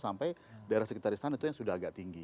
sampai daerah sekitar istana itu yang sudah agak tinggi